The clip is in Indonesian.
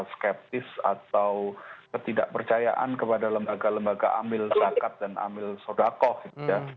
skeptis atau ketidakpercayaan kepada lembaga lembaga ambil zakat dan amil sodakoh gitu ya